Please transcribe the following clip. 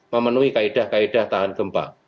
memenuhi kaedah kaedah tahan gempa